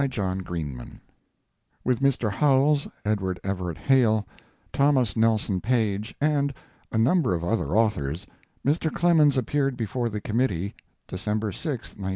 COPYRIGHT With Mr. Howells, Edward Everett Hale, Thomas Nelson Page, and a number of other authors, Mr. Clemens appeared before the committee December 6, 1906.